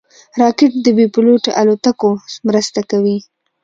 راکټ د بېپيلوټه الوتکو مرسته کوي